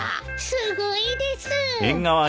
すごいです。